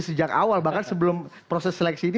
sejak awal bahkan sebelum proses seleksi ini